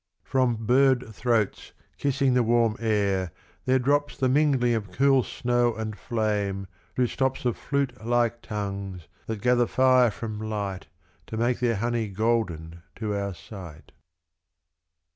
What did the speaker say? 68 Et in Arcadia, Omnes. From bird throats kissing the warm air there drops The mingHni:^ of cool snow and flame through stops Of flute hke tongues that gather fire from Hght To make their honey golden to our sight.